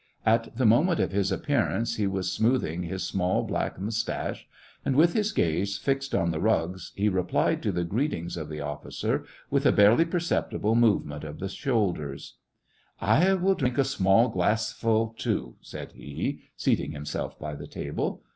At the moment of his appearance, he was smoothing his small black moustache, and, with his gaze fixed on the rugs, he replied to the greetings of the officer with a barely perceptible movement of the shoulders. SEVASTOPOL IN AUGUST. 163 " I will drink a small glassful too !" said he, seating himself by the table.